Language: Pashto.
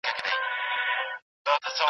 پرېکړه به ستا په خوښه هیڅکله بدله نه شي.